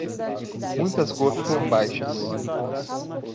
Muitas gotas são baixas.